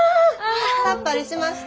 さっぱりしました？